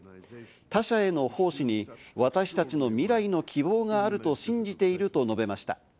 他者への奉仕に私たちの未来の希望があると信じていると述べました。